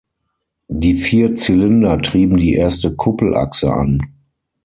Die vier Zylinder trieben die erste Kuppelachse an.